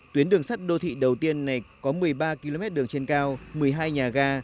tuyến đường sắt đô thị đầu tiên này có một mươi ba km đường trên cao một mươi hai nhà ga